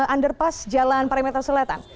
underpass jalan perimeter selatan